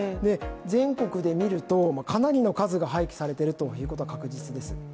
全国で見ると、かなりの数が廃棄されているということは確実です。